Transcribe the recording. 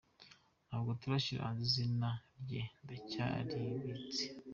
Ntabwo turashyira hanze izina rye ndacyaribitse”.